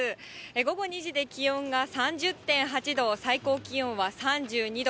午後２時で気温が３０．８度、最高気温は３２度。